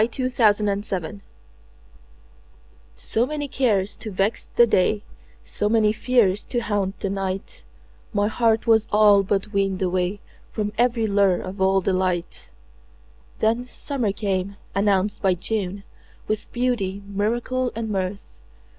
1922. Summer Magic SO many cares to vex the day, So many fears to haunt the night, My heart was all but weaned awayFrom every lure of old delight. Then summer came, announced by June, With beauty, miracle and mirth.